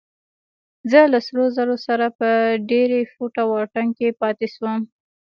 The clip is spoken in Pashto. زه له سرو زرو سره په درې فوټه واټن کې پاتې شوم.